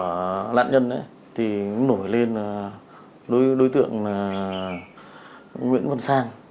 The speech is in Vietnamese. nguyễn văn sang thì cũng nổi lên đối tượng là nguyễn văn sang